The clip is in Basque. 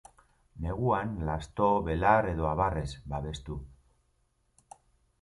Neguan lasto, belar edo abarrez babestu.